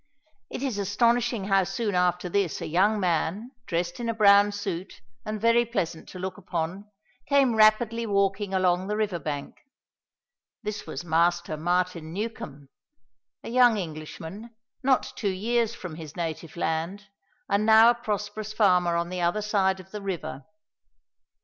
It is astonishing how soon after this a young man, dressed in a brown suit, and very pleasant to look upon, came rapidly walking along the river bank. This was Master Martin Newcombe, a young Englishman, not two years from his native land, and now a prosperous farmer on the other side of the river.